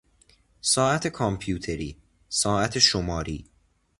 ساعت کامپیوتری، ساعت شماری